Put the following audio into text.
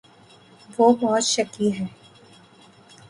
وہ بہت شکی ہے۔